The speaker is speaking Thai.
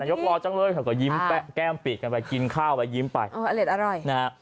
นายกร่อยจังเลยยิ้มแก้มปีดกลับกินน้ำ